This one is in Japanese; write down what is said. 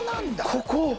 ここ。